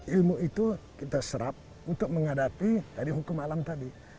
ilmu itu kita serap untuk menghadapi tadi hukum alam tadi